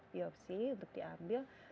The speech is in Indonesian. biopsi untuk diambil